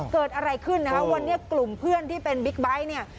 เกิดอะไรขึ้นนะฮะวันนี้กลุ่มเพื่อนที่เป็นบิ๊กไบท์เนี่ย